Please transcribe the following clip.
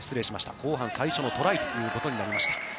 後半最初のトライということになりました。